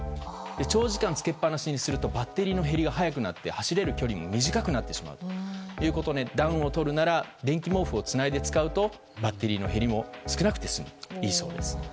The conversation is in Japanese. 長時間つけっぱなしにするとバッテリーの減りが早くなって走れる距離も短くなってしまうということで暖をとるなら電気毛布をつないで使うとバッテリーの減りも少なくて済むのでいいそうです。